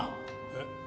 えっ。